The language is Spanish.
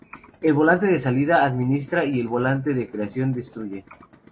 El volante de salida administra y el volante de creación destruye.